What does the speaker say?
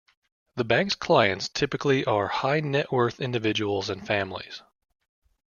The bank's clients typically are high-net-worth individuals and families.